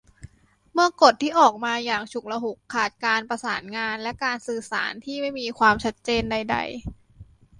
เมื่อกฎที่ออกมาอย่างฉุกละหุก ขาดการประสานงาน และการสื่อสารที่ไม่มีความชัดเจนใดใด